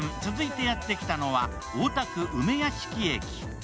続いてやってきたのは、大田区梅屋敷。